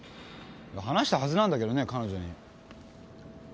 話したはずなんだけどね彼女に。